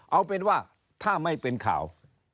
เอาเป็นว่าถ้าไม่เป็นข่าว